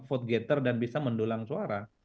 vote gathere dan bisa mendulang suara